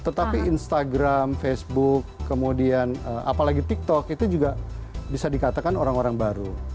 tetapi instagram facebook kemudian apalagi tiktok itu juga bisa dikatakan orang orang baru